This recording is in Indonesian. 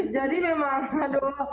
jadi memang aduh